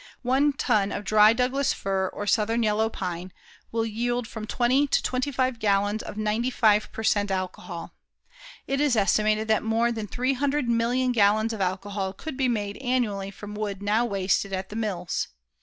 One ton of dry Douglas fir or southern yellow pine will yield from twenty to twenty five gallons of 95 per cent. alcohol. It is estimated that more than 300,000,000 gallons of alcohol could be made annually from wood now wasted at the mills.